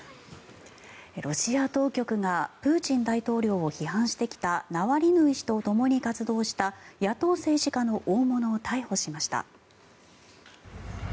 ロシア当局がプーチン大統領を批判してきたナワリヌイ氏とともに活動した野党政治家の大物を逮捕しました。